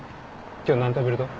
今日何食べると？